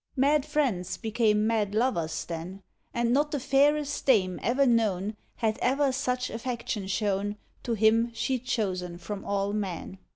Mad friends became mad lovers then; And not the fairest dame e'er known Had ever such affection shown To him she'd chosen from all men.